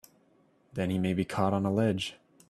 Then he may be caught on a ledge!